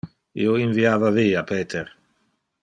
Io inviava via Peter.